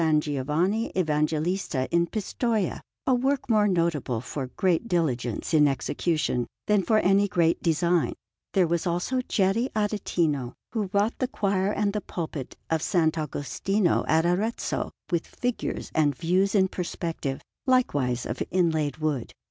Giovanni Evangelista in Pistoia a work more notable for great diligence in execution than for any great design. There was also Geri Aretino, who wrought the choir and the pulpit of S. Agostino at Arezzo with figures and views in perspective, likewise of inlaid wood.